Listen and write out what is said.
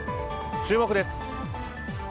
注目です。